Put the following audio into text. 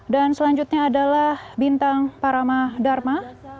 dan selanjutnya adalah bintang paramadharma